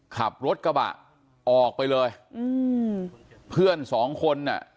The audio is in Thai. ขับรถกระบะออกไปเลยอืมเพื่อนสองคนอ่ะ